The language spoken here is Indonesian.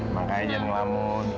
makanya dia ngelamun